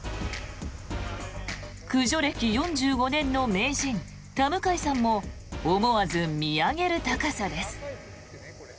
駆除歴４５年の名人、田迎さんも思わず見上げる高さです。